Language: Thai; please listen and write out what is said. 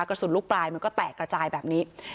กระสุนลูกปลายมันก็แตกระจายแบบนี้